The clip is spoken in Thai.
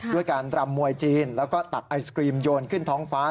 ด้วยการรำมวยจีนแล้วก็ตักไอศกรีมโยนขึ้นท้องฟ้า